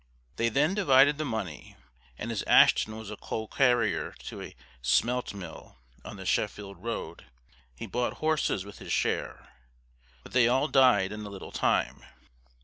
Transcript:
They then divided the money: and as Ashton was a coal carrier to a Smelt Mill, on the Sheffield Road, he bought horses with his share; but they all died in a little time.